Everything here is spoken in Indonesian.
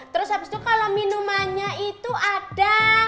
terus habis itu kalau minumannya itu ada